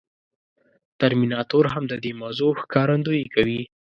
ترمیناتور هم د دې موضوع ښکارندويي کوي.